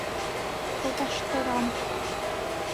Тоташтырам